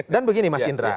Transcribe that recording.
dan begini mas indra